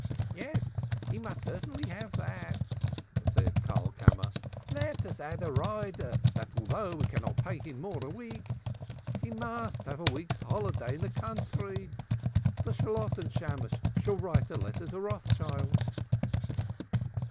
"Yes, he must certainly have that," said Karlkammer. "Let us add as a rider that although we cannot pay him more per week, he must have a week's holiday in the country. The Shalotten Shammos shall write the letter to Rothschild."